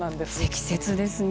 積雪ですね。